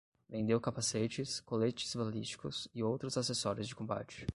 Vendeu capacetes, coletes balísticos e outros acessórios de combate